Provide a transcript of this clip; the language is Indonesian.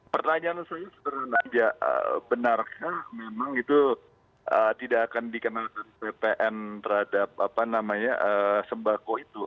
pertanyaan saya sebenarnya benarkah memang itu tidak akan dikenakan ppn terhadap sembako itu